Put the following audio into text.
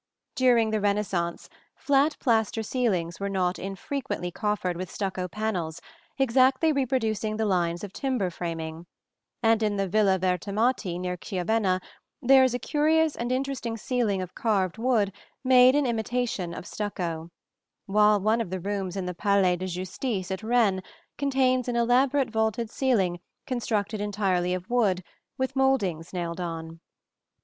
During the Renaissance, flat plaster ceilings were not infrequently coffered with stucco panels exactly reproducing the lines of timber framing; and in the Villa Vertemati, near Chiavenna, there is a curious and interesting ceiling of carved wood made in imitation of stucco (see Plate XXIII); while one of the rooms in the Palais de Justice at Rennes contains an elaborate vaulted ceiling constructed entirely of wood, with mouldings nailed on (see Plate XXIV).